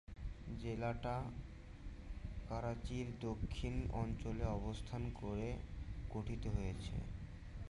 জেলাটি করাচির দক্ষিণ অঞ্চলে অবস্থান করে গঠিত হয়েছে।